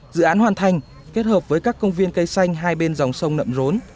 dự án hoàn thành kết hợp với các công viên cây xanh hai bên dòng sông nậm rốn